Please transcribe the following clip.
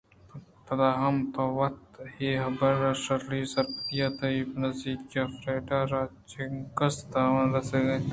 پدا ہم تو وت اے حبرءَ شری ءَ سرپدئے کہ تئی نزّیکی ءَفریڈاءَرا چنکس تاوان رستگ